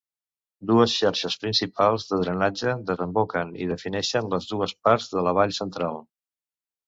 Dues xarxes principals de drenatge desemboquen i defineixen les dues parts de la Vall Central.